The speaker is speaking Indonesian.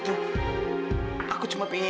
dia korban mainstream